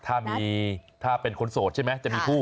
ถ้าเป็นคนโสดใช่ไหมจะมีผู้